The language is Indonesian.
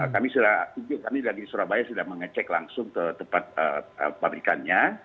kami sudah kami dari surabaya sudah mengecek langsung ke tempat pabrikannya